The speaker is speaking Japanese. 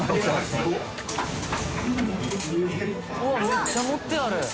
めっちゃ盛ってある。